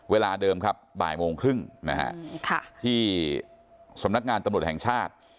เวลาเดิมครับบ่ายโมงครึ่งนะฮะที่สำนักงานตำรวจแห่งชาติ